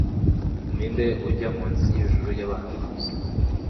Ninde ujya munsi y'ijuru ry'abahanuzi